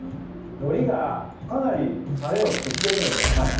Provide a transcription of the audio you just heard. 海苔がかなりタレを吸ってるので。